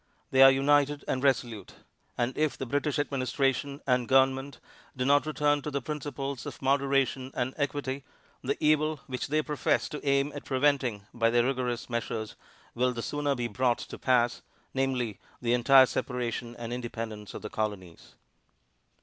They are united and resolute. And if the British Administration and Government do not return to the principles of moderation and equity, the evil, which they profess to aim at preventing by their rigorous measures, will the sooner be brought to pass, viz., the entire separation and independence of the Colonies.